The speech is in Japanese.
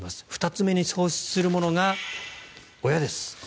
２つ目に喪失するものが親です。